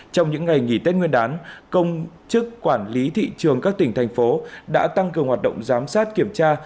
trong những ngày nghỉ tết nguyên đán công chức quản lý thị trường các tỉnh thành phố đã tăng cường hoạt động giám sát kiểm tra